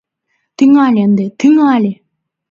— Тӱҥале ынде, тӱҥале!